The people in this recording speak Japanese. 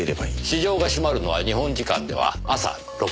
市場が閉まるのは日本時間では朝６時。